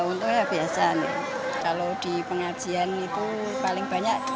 untungnya biasa nih kalau di pengajian itu paling banyak lima puluh biji